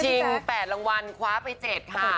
๘รางวัลคว้าไป๗ค่ะ